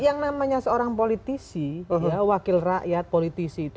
yang namanya seorang politisi ya wakil rakyat politisi itu